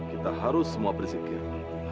kita harus semua bersikir